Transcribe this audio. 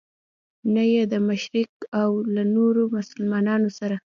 نه یې د مشرق له نورو مسلمانانو سره.